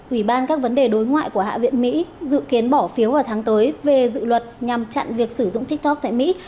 ủy ban các vấn đề đối ngoại của hạ viện mỹ dự kiến bỏ phiếu vào tháng tới về dự luật nhằm chặn việc sử dụng tiktok tại mỹ